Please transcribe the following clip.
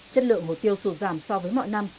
chất lượng hồ tiêu sụt giảm so với mọi năm